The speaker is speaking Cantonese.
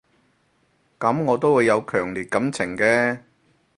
噉我都會有強烈感情嘅